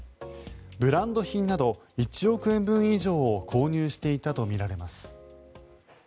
ブランド品など１億円分以上を購入していたとみられます。